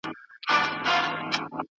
وروسته پسي زیاتوي.